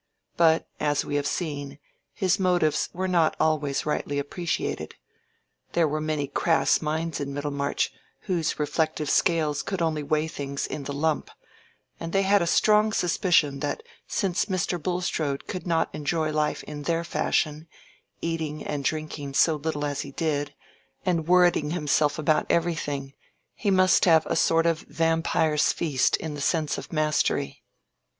But, as we have seen, his motives were not always rightly appreciated. There were many crass minds in Middlemarch whose reflective scales could only weigh things in the lump; and they had a strong suspicion that since Mr. Bulstrode could not enjoy life in their fashion, eating and drinking so little as he did, and worreting himself about everything, he must have a sort of vampire's feast in the sense of mastery.